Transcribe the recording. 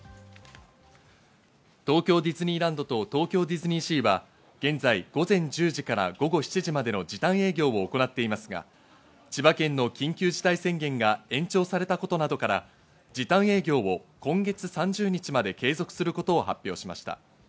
東京ディズニーランドと東京ディズニーシーは現在午前１０時から午後７時までの時短営業を行っていますが、千葉県の緊急事態宣言が延長されたことなどから時短営業を今月３０日まで継続することを発表しました。